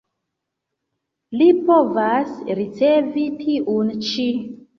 Li povas ricevi tiun ĉi.